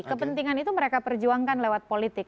kepentingan itu mereka perjuangkan lewat politik